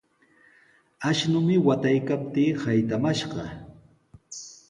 Ashnumi wataykaptii saytamashqa.